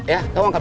ya kau angkat